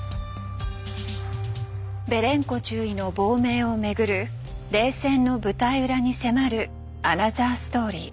ベレンコ中尉の亡命を巡る冷戦の舞台裏に迫るアナザーストーリー。